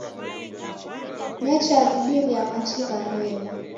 Nechaw'idiria machi gha mbeo.